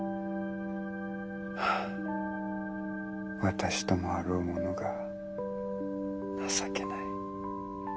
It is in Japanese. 私ともあろうものが情けない。